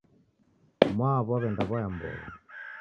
Mwaawu waweenda waya mbogha